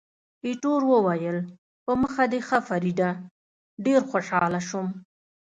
ایټور وویل، په مخه دې ښه فریډه، ډېر خوشاله شوم.